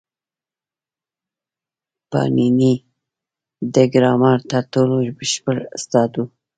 پاڼيڼى د ګرامر تر ټولو بشپړ استاد وو.